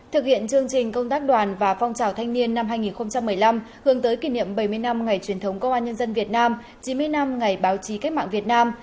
thực hiện chương trình công tác đoàn và phong trào thanh niên năm hai nghìn một mươi năm hướng tới kỷ niệm bảy mươi năm ngày truyền thống công an nhân dân việt nam chín mươi năm ngày báo chí cách mạng việt nam